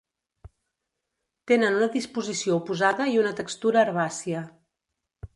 Tenen una disposició oposada i una textura herbàcia.